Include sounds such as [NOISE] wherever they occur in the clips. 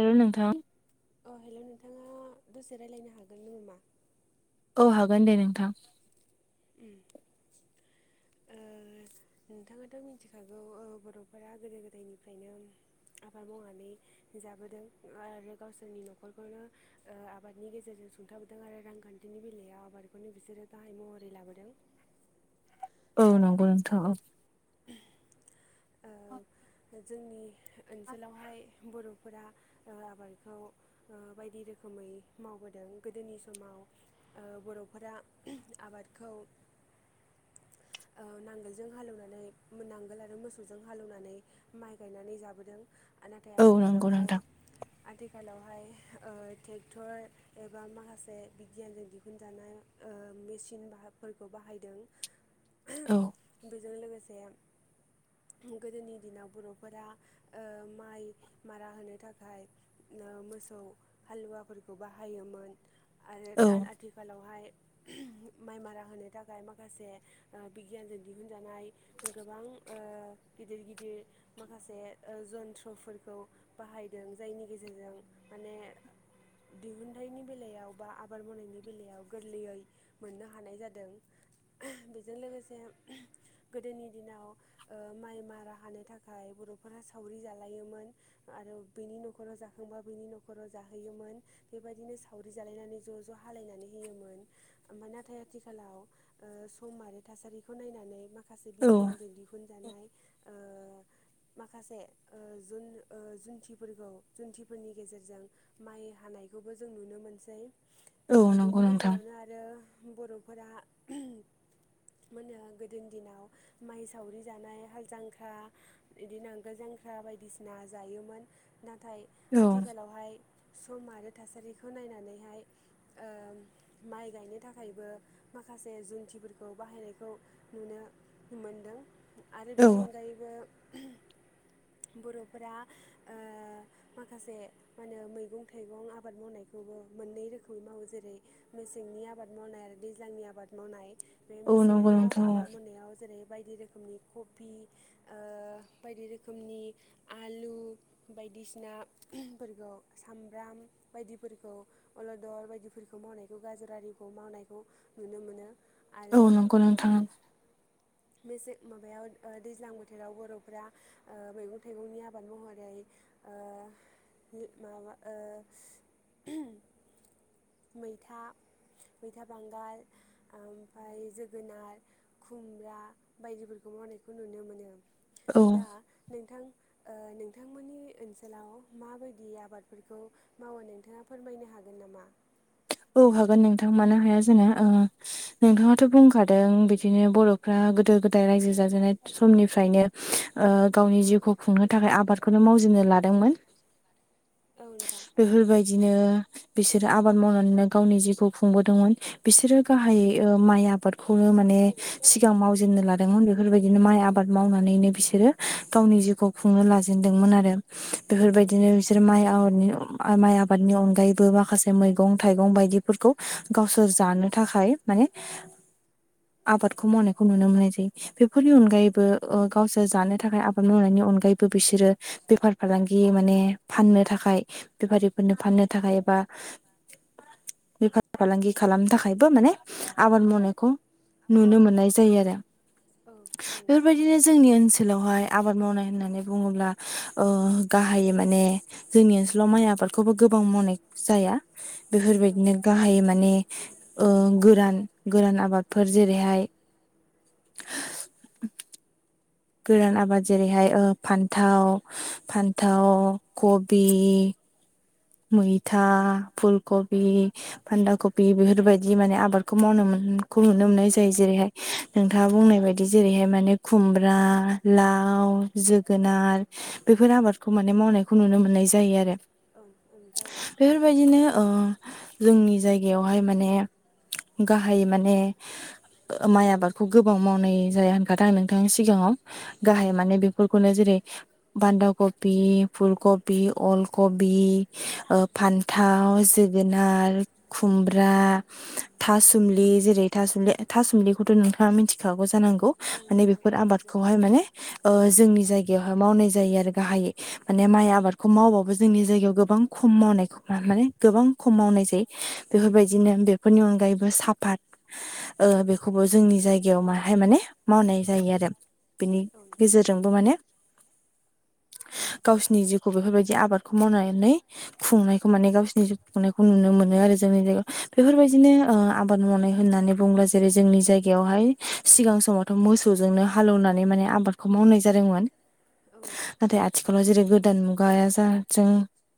आरो नोंथां अ हेलौ नोंथाङा दसे रायलायनो हागोन नोमा? अ हागोन दे नोंथां। उम ओज नोंथाङाथ' मिनथिखागौ ओ बर'फोरा गोदो गोदायनिफ्रायनो आबाद मावनानै जाबोदों आरो गावसोरनि न'खरखौनो ओ आबादनि गेजेरजों सुंथाबोदों आरो रांखान्थिनि बेलायाव आबादखौनो बिसोरो गाहाय महरै लाबोदों। औ नंगौ नोंथां औ। ओ जोंनि ओनसोलावहाय बर' फोरा ओ आबादखौ ओ बायदि रोखोमै मावबोदों गोदोनि समाव ओ बर'फोरा [UNINTELLIGIBLE] आबादखौ ओह नांगोलजों हालौनानै मोननांगाल आरो मोस सौजों हालौवनानै माइ गायनानै जाबोदों आ नाथाय औ नंगौ आथिखालावहाय नोंथां आथिखालावहाय ओ थेक्टर एबा माखासे बिगियानजों दिहुनजानाय ओ मेशिन बाहागफोरखौ बाहायदों। औ [UNINTELLIGIBLE] बेजों लोगोसे गोदोनि दिनाव बर'फोरा ओ माइ मारा होनो थाखाय ना ओ मोसौ हालुवाफोरखौ बाहायोमोन आरो औ दा आथिखालावहाय [UNINTELLIGIBLE] माइ मारा होनो थाखाय माखासे ओ बिगियानजों दिहुनजानाय गोबां ओ गिदिर गिदिर माखासे ओ जन्थ्रफोरखौ बाहायदों जायनि गेजेरजों माने दिहुनथाइनि बेलायाव बा आबाद मावनायनि बेलायाव गोरलैयै मोननो हानाय जादों। [UNINTELLIGIBLE] बेजों लोगोसे उम गोदोनि दिनाव ओ माइ मारा हानो थाखाय बर'फोरा सावरि जालायोमोन आरो बेनि न'खराव जाखां खांबा बिनि न'खराव जाहोयोमोन बेबायदिनो सावरि जालायनानै ज' ज' हालायनानै होयोमोन। ओमफाय नाथाय आथिखालाव ओ समारि थासारिखौ नायनानै माखासे औ बिगियानजों दि [UNINTELLIGIBLE] जानाय ओ माखासे ओ जुन ओ जुन्थिफोरखौ जुन्थिफोरनि गेजेरजों माइ हाना [UNINTELLIGIBLE] नायखौबो जों नुनो मोनसै औ ओ नंगौ बेनि नोंथां गेजेरावनो आरो बर'फ फोरा [UNINTELLIGIBLE] मोननो गोदोनि दिनाव मायज थावरि जानाय हाल जांख्रा बिदिनो नागोल जांख्रा बायदिसिना जायोमोन ना थाय औ आथिखालावहाय सम आरो थासारिखौ नायनानैहाय ओ माइ गायनो थाखायबो माखासे जुन्थिफोरखौ बाहायनायखौ नुनो मोनदों। आरो औ बेनि अनगायैबो बर'फोरा ओ माखासे मानो मैगं थाइगं आबाद मावनायखौबो मोननै रोखोमाव जेरै मेसेंनि आबाद मावनाय आरो दैज्लांनि आबाद मावनाय बे औ नंगौ मेसेंनिया नोंथां आबाद मावनायाव जेरै बायदि रोख खोमनि क'पि ओ बायदि रोखोमनि आलु बायदिसिना [UNINTELLIGIBLE] फोरखौ सामब्राम बायदिफोरखौ अलदर बायदिफोरखौ मावनायखौ गाज्रा गारिखौ मावनायखौ नुनो मोनो। औ नंगौ नोंथां। बेजे माबायाव ओ दैज्लां बोथोराव बर'फ्रा मैगं थाइगंनि आबाद महरै ओ [UNINTELLIGIBLE] माबा ओ मैथा मैथा बांगाल ओमफाय जोगोनार खुमब्रा बायदिफोरखौ मावनायखौ नुनो मोनो। औ दा नोंथां ओ नोंथांमोननि ओनसोलाव माबायदि आबादफोरखौ मावो नोंथाङा फोरमायनो हा गोन नामा? औ हागोन नोंथां मानो हाया जानो। ओ नोंथाङाथ' बुंखादों बिदिनो बर'फ्रा गोदो गोदाय रायजो जाजेननाय समनिफ्रायनो ओ गावनि जिउखौ खुंनो थाखाय आबादखौनो मावजे नो लादोंमोन। [INAUDIBLE] औ नोंथां बेफोर बायदिनो बिसोरो आबाद मावना नो गावनि जिउखौ खुंदोंमोन बिसोरो गाहायै ओ माइ आबादखौनो माने सिगां मावजेननो लादोंमोन बेफोरबायदिनो माइ आबाद मावनानैनो बिसोरो गावनि जिउखौ खुंनो लाजेनदोंमोन आरो। औ बेफोरबायदिनो नोंथां बिसोर माइ आबादनि माइ आबादनि अनगायैबो माखासे मै गं थाइगं बायदिफोरखौ गावसोर जानो थाखाय माने आबादखौ मावनायखौ नुनो मोननाय जायो बेफोरनि अनगायैबो ओ गावसोर जानो थाखाय आबाद मावनायनि अनगायैबो बिसोरो बेफार फालांगि माने फाननो थाखाय बेफारिफोरनो फाननो थाखाय बा [INAUDIBLE] बेफार फालांगि खालामनो थाखायबो माने आबाद मावनायखौ नुनो मोननाय जायो आरो। औ औ नोंथां औ बेफोरबायदिनो जोंनि ओनसोलावहाय आबाद मावनाय होननानै बुङोब्ला ओ गाहायै माने जोंनि ओनसोलाव माइ आबादखौबो गोब बां मनेक जाया औ नोंथां बेफोरबायदिनो गाहायै माने ओ गोरान गोरान आबादफोर जेरैहाय गोरान आबाद जेरैहाय ओ फान्थाव फान्थाव खबि मैथा फुलकबि फान्दा कपि बेफोरबायदि माने आबादखौ मावनो मोन खौ नुनो मोननाय जायो जेरैहाय नोंथाङा बुंनाय बायदि जेरैहाय माने खुमब्रा, लाव, जोगोनार, बेफोर आबादखौ माने मावनायखौ नुनो मोननाय जायो आरो। औ औ नोंथां बेफोरबायदिनो ओ जोंनि जायगायावहाय माने गाहायै माने माइ आबादखौ गोबां मावनाय जाया होनखादों आं नोंथांनि सिगाङाव‌। गाहाय माने बेफोरखौनो जेरै बान्दा कपि, फुलकबि, अलकबि ओ फान्थाव, जोगोनार, खुमब्रा, थासुमलि जेरै थासुमलि थासुमलिखौथ' नोंथाङा मिन्थिखागौ जानांगौ। औ माने नोंथां बेफोर औ मिथिगौ आबादखौहाय माने ओ जोंनि जायगायावहाय मावनाय जायो आरो गाहायै। माने माइ आबादखौ मावबाबो जोंनि जायगायाव गो बां खम मावनायखो माने गोबां खम मावनाय जायो बेफोरबायदिनो बेफोरनि अनगायैबो साफा ओ बेखौबो जोंनि जायगायाव माहाय माने मावनाय जायो आरो। बेनि औ नोंथां गेजेरजोंबो माने गावसिनि जिउखौ बेफोरबायदि आबादखौ मावनानै खुंनायखौ माने गावसिनि जिउ खुंनायखौ नुनो मोनो आरो जोंनि जायगायाव बेफोरबायदिनो ओ आबाद मावनाय होननानै बुङोब्ला जेरै जोंनि जायगायावहाय सिगां समावथ' मोसौजोंनो हालेवनानै माने आबादखौ मावनाय जादोंमोन औ नोंथां नाथाय आथिखालाव जेरै गोदान मुगाया जा जों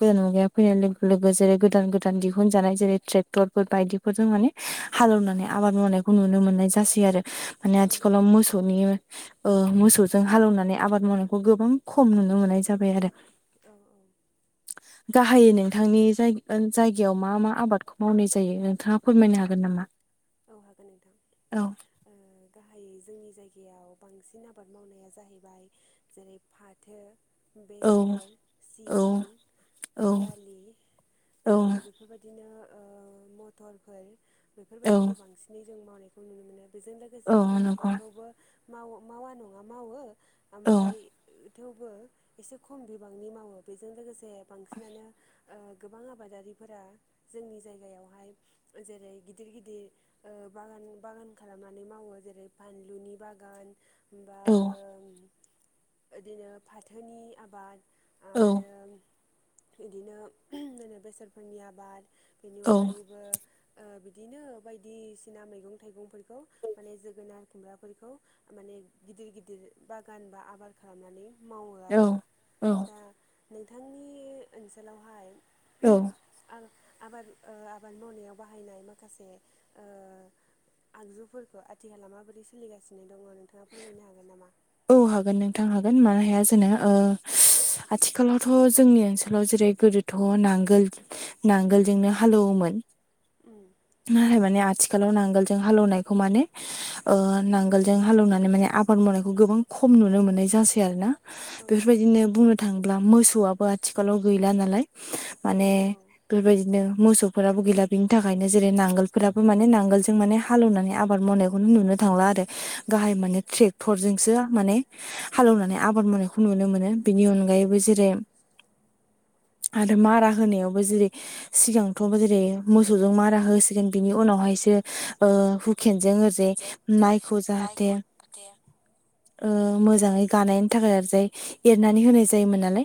गोदान मुगाया फैनाय लोगो लोगो जेरै गोदान गोदान दिहुनजानाय जेरै ट्रेक्टरफोर बायदिफोरजों माने हालौनानै आबाद मावनायखौ नुनो मोननाय जासै आरो माने औ नोंथां आथिखालाव मोसौनि ओ मोसौजों हालौनानै आबाद मावनायखौ गोबां खम नुनो मोननाय जाबाय आरो। औ औ। गाहायै नोंथांनि जायगायाव मा मा आबादखौ मावनाय जायो नोंथाङा फोरमायनो हागोन नामा? औ हागोन औ नोंथां गाहायै जोंनि जायगायाव बांसिन आबाद मावनाया जाहैबाय जेरै फाथो। औ बेसर औ औ सिबिं दालि औ बेफोरबायदिनो ओ मथरफोर बेफोरबायदिखौ औ बांसिनै जों मावनायखौ नुनो मोनो बेजों औ लोगोसे माइ नंगौ आबादखौबो माव मावा नङा मावो औ ओमफ्राय थेवबो एसे खम बिबांनि मावो बेजों लोगोसे बांसिनानो गोबां आबादारिफोरा जोंनि जायगायावहाय जेरै गिदिर गिदिर बागान बागान खालामनानै मावो जेरै फानलुनि बागान। होनबा औ ओ बिदिनो फाथोनि आबाद औ। आरो बिदिनो बेसरफोरनि आबाद बेनि अनगायैबो ओ बिदिनो बायदिसिना मैगं थाइगंफोरखौ माने जोगोनार खुमब्राफोरखौ माने गिदिर गिदिर बागान बा आबार खालामनानै मावो औ आरो दा नोंथांनि ओनसोलावहाय औ। आं आबाद ओ आबाद मावनायाव बाहायनाय माखासे ओ आगजुफोरखौ आथिखालाव माबोरै सोलिगासिनो दङ नोंथाङा फोरमायनो हागोन नामा? औ हागोन नोंथां हागोन मानो हाया जानो ओ आथिखालावथ' जोंनि ओनसोलाव जेरै गोदोथ' नांगोल नांगोलजोंनो हालौवोमोन। उम नाथाय माने आथिखालाव नांगोलजों हालौनायखौ माने ओ नांगोलजों हालौनानै माने आबाद मावनायखौ गोबां खम नुनो मोननाय जासै आरो ना। औ नोंथां बेफोरबायदिनो बुंनो थाङोब्ला मोसौआबो आथिखालाव गैला नालाय। माने औ औ बेबायदिनो मोसौफोराबो गैला बेनि थाखाय जेरै नांगोल फोराबो माने नांगोलजों माने हालौनानै आबाद मावनायखौनो नुनो थांला आरो गाहाय मा ट्रेक्टर जोंसो माने हालौनानै आबाद मावनायखौ नुनो मोनो बेनि अनगायैबो जेरै [INAUDIBLE] आरो मारा होनायावबो जेरै सिगांथ' जेरै मोसौ जों मारा होसिगोन बिनि उनावहायसो ओ हु खेनजों ओजि माइखौ जाहाथे ओ उम मोजाङै गानाय [UNINTELLIGIBLE] एरनानै होनाय जायोमोन नालाय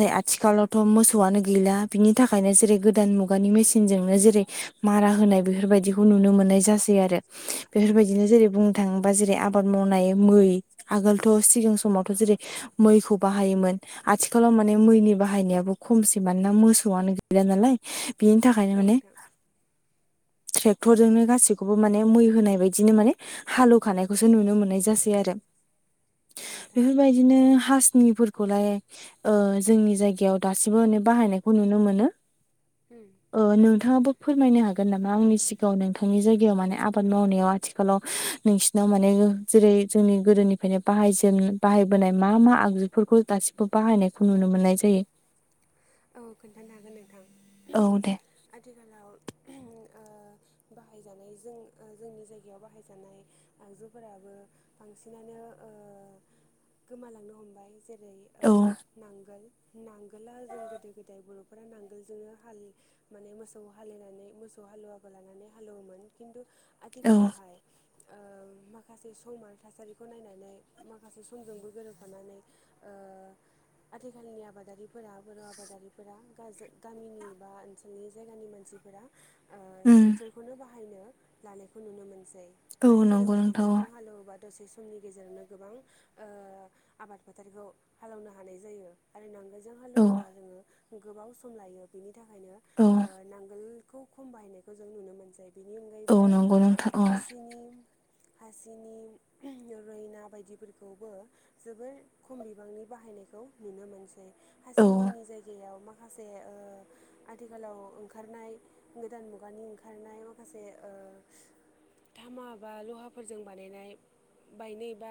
औ आथिखालावथ' मोसो आनो गैला बिनि थाखायनो जेरै गोदान मुगानि मेसिनजोंनो जेरै मारा होनाय बेफोरबायदिखौ नुनो मोननाय जासै आरो। औ नोंथां बेफोरबायदिनो जेरै बुंनो थाङोबा जेरै आब आबाद मावनाय मै आगोलथ' सिगां समावथ' जेरै मैखौ बाहायोमोन आथिखालाव माने मैनि बाहायनायाबो खमसै मानोना मोसौआनो गैला नालाय बेनि थाखायनो औ माने नोंथां ट्रेक्टरजोंनो गासिखौबो माने मै होनाय बायदिनो माने हालौखानायखौसो नुनो मोननाय जासै आरो। औ नोंथां बेफोरबायदिनो हासिनिफोरखौलाय ओ जोंनि जायगायाव दासिबो मे बाहायनायखौ नुनो मोनो उम ओ नोंथाङाबो फोरमायनो हागोन नामा आंनि सिगाङाव नोंथांनि जायगायाव माने आबाद मावनायाव आथिखालाव नोंसिनाव माने जेरै जोंनि गोदोनिफ्रायनो बाहाय बाहायबोनाय मा मा आगजुफोरखौ दासिमबो बाहायनायखौ नुनो मोननाय जायो। औ खोन्थानो हागोन नोंथां औ दे आथिखालाव ओ। बाहायजानाय जों जोंनि ओ गोमालांनो हमबाय जेरै औ नांगोल नांगोला जों गोदो गोदाय बर'फोरा नांगोलजोंनो हालि माने मोसौ हालेनानै मोसौ हालुवाबो लानानै हालौव खिन्थु औ आथिखालावहाय ओ म माखासे सम आरो थासारिखौ नायनानै माखासे समजोंबो गोरोबफानानै ओ आथिखालनि आबादारिफोरा' बे आबादारिफोरा गामिनि बा ओनसोलनि जायगानि मानसिफोरा ओ उम ट्रेक्टरखौनो बाहायनो लानायखौ नुनो मोनसै औ मानो नंगौ होनोबा नोंथां औ ट्रेक्टरजों हालौवोबा दसे समनि गेजेरावनो गोबांओ आबाद फोथारखौ हालेवनो हानाय जायो आरो नांगोलजों औ हालेवोबा जोङो गोबाव सम लायो बिनि थाखायनो औ ओ नांगोल खौ खमायनानखौ जों नुनो मोनसै बेनि औ अनगायैबो नंगौ नोंथां औ हासिनि रयना बायदिफोरखौबो जोबोर खम बिबांनि बाहाय नायखौ नुनो मोनसो औ हासिनि जायगायाव माखासे माखासे आथिखालाव ओंखारनाय गोदान मुगानि ओंखारनाय माखासे ओ ओ धामा बा लहाफोरजों बानायनाय बायनो बा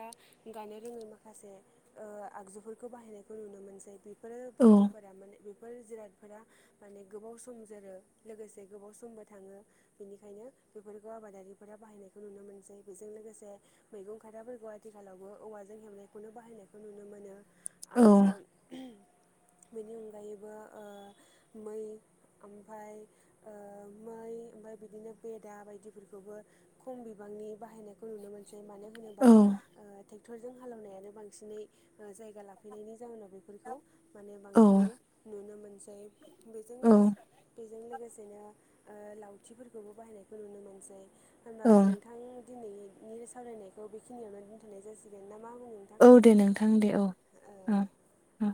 गानो रोङै माखासे ओ आगजुफोरखौ बाहायनायखौ नुनो मोनसै बेफोरो औ बुस्थुफोरा माने बेफोर जिराद फोरा माने गोबाव सम जोरो लोगोसे गोबाव समबो थाङो बेनिखायनो बेफोरखौ आबादारिफोरा बाहायनायखौ नुनो मोनसै बेजों लोगोसे मैगं खादाफोरखौ आथिखालावबो औवाजों हेबनाय बाहायनायखौ नुनो मोनो औ आरो बेनि अनगायैबो मै ओमफ्राय मै ओमफ्राय बिदिनो बेदा बायदिफोरखौबो खम बिबांनि बाहायनाय खौ नुनो मोनसै मानो होनोबा ओ ट्रेक्टरजों हालेवनायानो बांसिनै जायगा लाफैनायनि जाहोनाव बेफोरखौ माने औ बांसिनै नुनो मोनसै बेजों औ लोगोसे बेजों लोगोसे बिदिनो ओ लावथिफोरखौबो बाहायनायखौ नुनो मोनसै होनबा औ नोंथां दिनैनि सावरायनायखौ बेखिनियावनो दोनथ'नाय जासिगोन नामा?? औ दे नोंथां दे औ ओ औ दे औ।